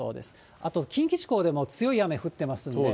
あと近畿地方でも強い雨降ってますんで。